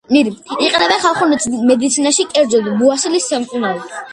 იყენებენ ხალხურ მედიცინაში, კერძოდ, ბუასილის სამკურნალოდ.